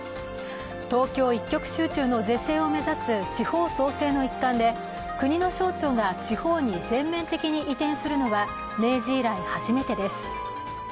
東京一極集中の是正を目指す地方創生の一環で国の省庁が地方に全面的に移転するのは明治以来、初めてです。